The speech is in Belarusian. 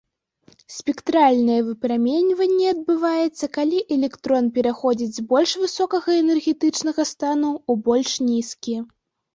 Спектральнае выпраменьванне адбываецца, калі электрон пераходзіць з больш высокага энергетычнага стану ў больш нізкі.